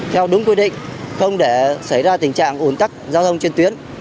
theo đúng quy định không để xảy ra tình trạng ổn tắc giao thông truyền tuyến